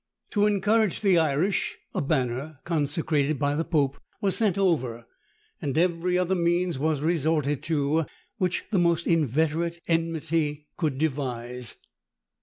To encourage the Irish, a banner, consecrated by the pope, was sent over, and every other means was resorted to, which the most inveterate enmity could devise.